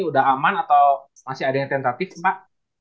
udah aman atau masih ada yang tentatif mbak